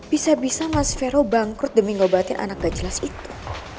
bisa bisa mas vero bangkrut demi ngobatin anak gak jelas itu